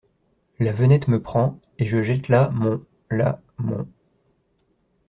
La venette me prend et je jette la mon … la mon …